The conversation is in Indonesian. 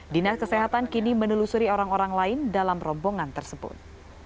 dinas kesehatan kini menelusuri orang orang lain dalam rombongan tersebut